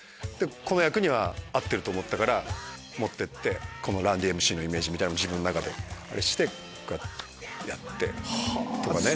この役には合ってると思ったから持ってってＲｕｎ−Ｄ．Ｍ．Ｃ．のイメージを自分の中であれしてこうやってったのね。